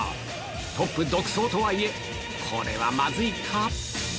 トップ独走とはいえ、これはまずいか。